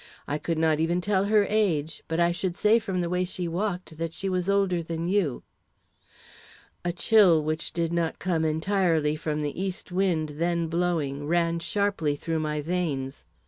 I could not even tell her age, but I should say, from the way she walked that she was older than you." A chill, which did not come entirely from the east wind then blowing, ran sharply through my veins.